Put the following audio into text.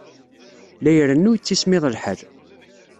La irennu yettismiḍ lḥal.